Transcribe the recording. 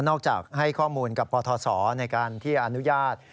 จากให้ข้อมูลกับปทศในการที่อนุญาต